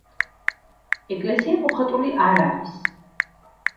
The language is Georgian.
ეკლესია მოხატული არ არის.